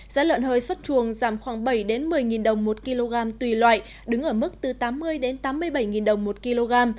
giá lợn hơi xuất chuồng giảm khoảng bảy một mươi đồng một kg tùy loại đứng ở mức từ tám mươi tám mươi bảy đồng một kg